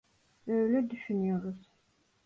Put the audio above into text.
Öyle düşünüyoruz.